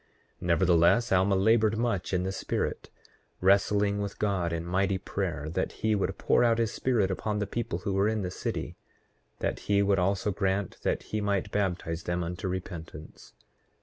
8:10 Nevertheless Alma labored much in the spirit, wrestling with God in mighty prayer, that he would pour out his Spirit upon the people who were in the city; that he would also grant that he might baptize them unto repentance.